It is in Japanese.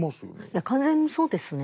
いや完全にそうですね。